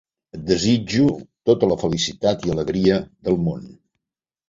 Et desitjo tota la felicitat i alegria del món.